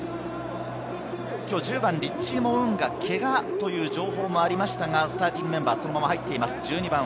１０番・リッチー・モウンガはけがという情報もありましたが、スターティングメンバーにそのまま入っています。